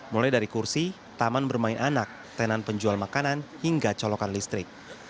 mulai dari kursi taman bermain anak tenan penjual makanan hingga colokan listrik